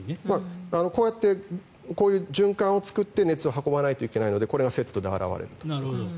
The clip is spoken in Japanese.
こうやってこういう循環を作って熱を運ばないといけないのでこれがセットで現れると。